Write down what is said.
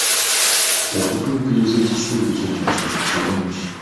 Okutuukiriza ekisuubizo kyo kintu kirungi.